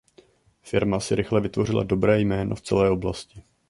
Firma si rychle vytvořila dobré jméno v celé oblasti.